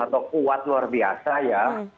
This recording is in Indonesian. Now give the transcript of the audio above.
atau kuat luar biasa ya